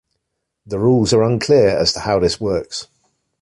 The rules are unclear as to how this works.